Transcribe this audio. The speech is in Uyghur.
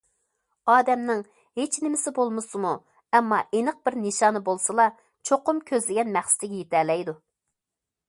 ئادەمنىڭ ھېچنېمىسى بولمىسىمۇ، ئەمما ئېنىق بىر نىشانى بولسىلا، چوقۇم كۆزلىگەن مەقسىتىگە يېتەلەيدۇ.